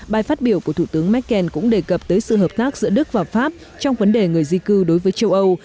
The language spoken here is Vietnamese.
bài phát biểu của thủ tướng merkel cũng đề cập tới sự hợp tác giữa đức và pháp trong vấn đề người di cư đối với châu âu